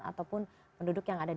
ataupun penduduk yang terdekat